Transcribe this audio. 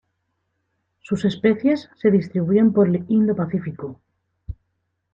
Sus especies se distribuyen por el Indo-Pacífico.